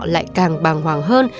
lại càng bàng hoàng hơn